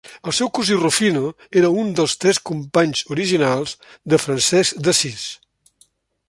El seu cosí Rufino era un dels "Tres Companys" originals de Francesc d'Assís.